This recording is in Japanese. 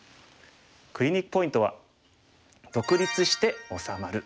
クリニックポイントは。